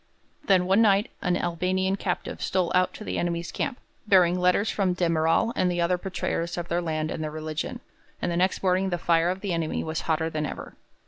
Then one night an Albanian captive stole out to the enemy's camp, bearing letters from de Merall and the other betrayers of their land and their religion, and the next morning the fire of the enemy was hotter than ever.